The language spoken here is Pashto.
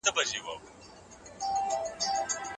پوهه لرونکې میندې د ماشومانو د روغتیا بدلونونه څاري.